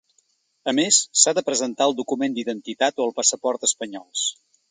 A més, s’ha de presentar el document d’identitat o el passaport espanyols.